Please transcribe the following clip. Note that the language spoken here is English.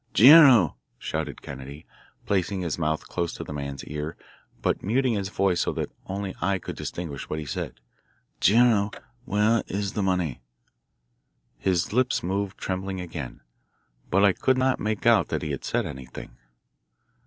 "Guerrero," shouted Kennedy, placing his mouth close to the man's ear, but muting his voice so that only I could distinguish what he said, "Guerrero, where is the money?" His lips moved trembling again, but I could not make out that he said anything.